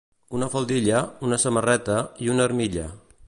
Una faldilla, una samarreta i una armilla.